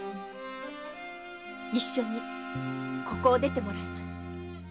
一緒にここを出てもらいます。